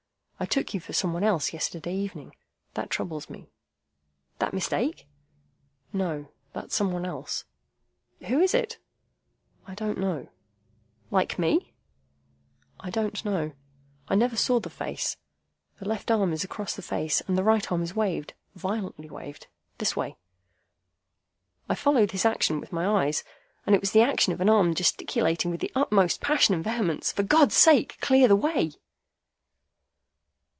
I took you for some one else yesterday evening. That troubles me." "That mistake?" "No. That some one else." "Who is it?" "I don't know." "Like me?" "I don't know. I never saw the face. The left arm is across the face, and the right arm is waved,—violently waved. This way." I followed his action with my eyes, and it was the action of an arm gesticulating, with the utmost passion and vehemence, "For God's sake, clear the way!"